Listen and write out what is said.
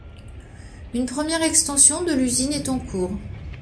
Une première extension de l'usine est en cours.